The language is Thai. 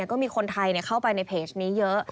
ก็มีคนไทยเข้าไปในเพจนี้เยอะ